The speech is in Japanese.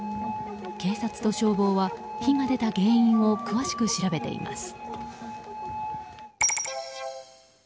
警察と消防は、火が出た原因を詳しく調べています。